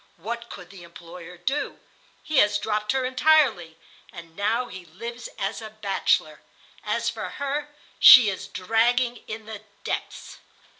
What could the employer do? He has dropped her entirely, and now he lives as a bachelor. As for her, she is dragging in the depths."